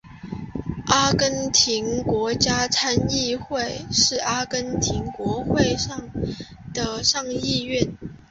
阿根廷国家参议院是阿根廷国会的上议院。